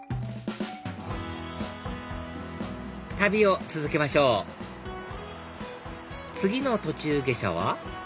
旅を続けましょう次の途中下車は？